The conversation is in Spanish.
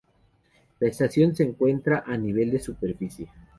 La estación se encuentra a nivel de superficie.